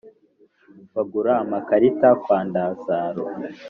Bagura amakarita kwa Ndazaro.